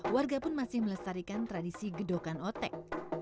warga pun masih melestarikan tradisi gedokan otek